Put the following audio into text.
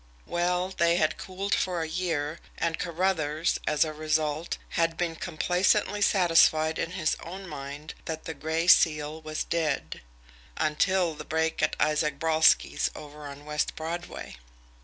Well, they had cooled for a year, and Carruthers as a result had been complacently satisfied in his own mind that the Gray Seal was dead until that break at Isaac Brolsky's over on West Broadway!